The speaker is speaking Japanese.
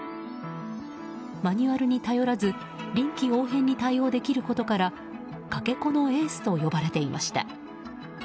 マニュアルに頼らず臨機応変に対応できることからかけ子のエースと呼ばれていました。